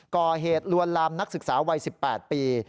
ก่อเหตุลวนลามนักศึกษาวัย๑๘ปี